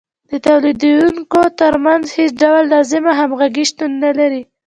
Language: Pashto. د تولیدونکو ترمنځ هېڅ ډول لازمه همغږي شتون نلري